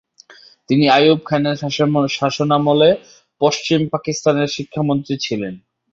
তিনি আইয়ুব খানের শাসনামলে পশ্চিম পাকিস্তানের শিক্ষা মন্ত্রী ছিলেন।